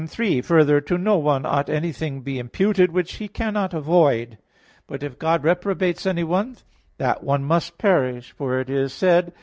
3: Further, to no one ought anything be imputed which he cannot avoid. But if God reprobates anyone, that one must perish. For it is said (Eccles.